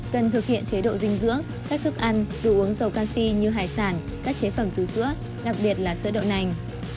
cần thực hiện chế độ dinh dưỡng các thức ăn đồ uống dầu canxi như hải sản các chế phẩm từ sữa đặc biệt là sữa đậu nành